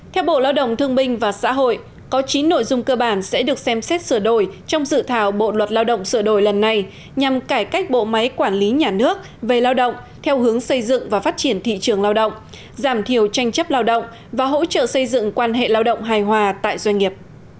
theo bộ lao động thương minh và xã hội có chín nội dung cơ bản sẽ được xem xét sửa đổi trong dự thảo bộ luật lao động sửa đổi lần này nhằm cải cách bộ máy quản lý nhà nước về lao động theo hướng xây dựng và phát triển thị trường lao động giảm thiểu tranh chấp lao động và hỗ trợ xây dựng quan hệ lao động hài hòa tại doanh nghiệp